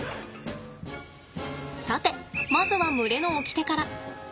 さてまずは群れのおきてから。